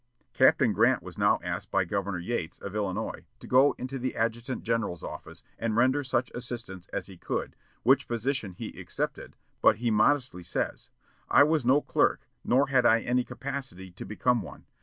Captain Grant was now asked by Governor Yates, of Illinois, to go into the adjutant general's office, and render such assistance as he could, which position he accepted, but he modestly says, "I was no clerk, nor had I any capacity to become one.